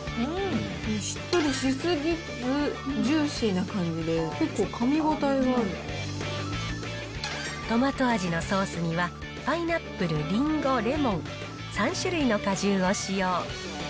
しっとりし過ぎず、ジューシーな感じで、トマト味のソースには、パイナップル、りんご、レモン、３種類の果汁を使用。